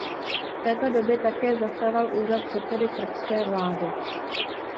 V této době také zastával úřad předsedy srbské vlády.